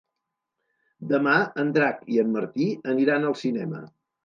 Demà en Drac i en Martí aniran al cinema.